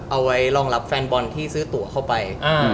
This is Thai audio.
เอาไว้รองรับแฟนบอลที่ซื้อตัวเข้าไป